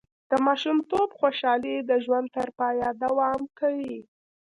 د ماشومتوب خوشحالي د ژوند تر پایه دوام کوي.